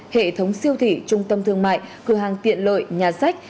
một trăm linh hệ thống siêu thị trung tâm thương mại cửa hàng tiện lợi nhà sách